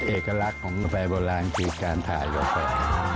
เอกลักษณ์ของกาแฟโบราณคือการถ่ายกาแฟ